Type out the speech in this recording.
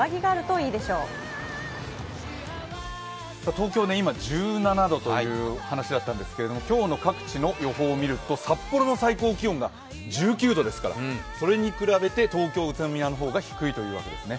東京、今１７度という話だったんですけど、今日の各地の予報を見ると、札幌の最高気温が１９度ですからそれに比べて東京、宇都宮の方が低いというわけですね。